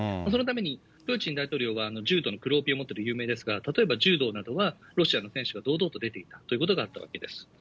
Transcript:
そのために、プーチン大統領は柔道の黒帯を持っていると有名ですが、柔道などはロシアの選手が堂々と出ていたということがあったわけです。